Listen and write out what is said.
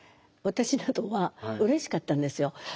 私などはうれしかったんですよ。